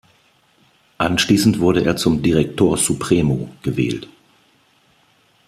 Anschließend wurde er zum "Director Supremo" gewählt.